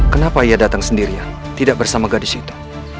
kenapa ia datang sendirian tidak bersama gadis sita